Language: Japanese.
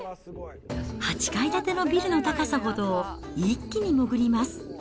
８階建てのビルの高さほどを一気に潜ります。